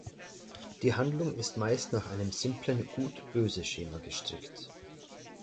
Die Handlung ist meist nach einem simplen Gut-Böse-Schema gestrickt.